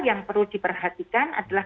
yang perlu diperhatikan adalah